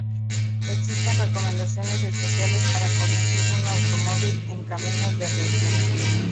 Existen recomendaciones especiales para conducir un automóvil en caminos de ripio.